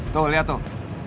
tuh liat tuh